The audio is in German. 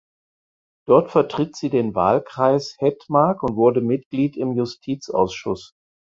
Dort vertritt sie den Wahlkreis Hedmark und wurde Mitglied im Justizausschuss.